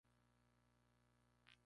En quince días hemos hecho la campaña.